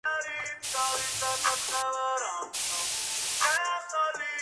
En el año contaba con habitantes censados.